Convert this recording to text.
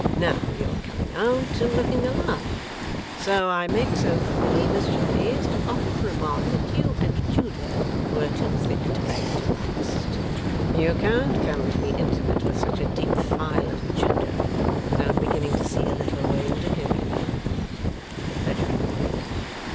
Now, you're coming out and looking alive! So I make so free, Miss Jenny, as to offer the remark, that you and Judah were too thick together to last. You can't come to be intimate with such a deep file as Judah without beginning to see a little way into him, you know,' said Fledgeby with a wink.